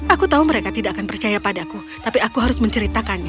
aku tahu mereka tidak akan percaya padaku tapi aku harus menceritakannya